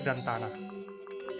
dan juga tentang kekuatan tanah